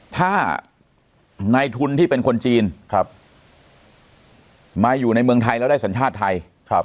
ถ้านายทุนที่เป็นคนจีนมาอยู่ในเมืองไทยแล้วได้สัญชาติไทย